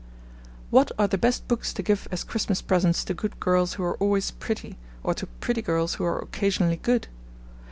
What are the best books to give as Christmas presents to good girls who are always pretty, or to pretty girls who are occasionally good?